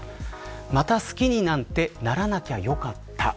また好きになんてならなきゃよかった。